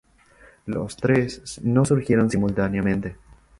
Los tres no surgieron simultáneamente.